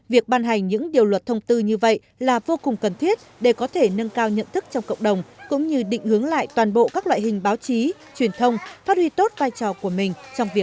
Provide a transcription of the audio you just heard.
việc ban hành những điều luật thông tư như vậy là vô cùng cần thiết để có thể nâng cao nhận thức trong cộng đồng cũng như định hướng lại toàn bộ các loại hình báo chí truyền thông phát huy tốt vai trò của mình